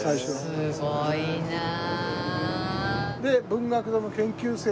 すごいなあ。